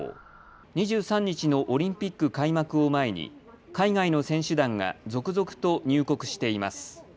２３日のオリンピック開幕を前に海外の選手団が続々と入国しています。